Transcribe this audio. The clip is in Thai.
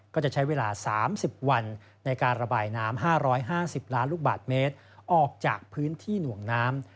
ก็จะใช้เวลาสามสิบวันในการระบายน้ำห้าร้อยห้าสิบล้านลูกบาทเมตรออกจากพื้นที่หน่วงน้ำ